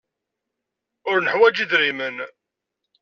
Ur neḥwaj idrimen.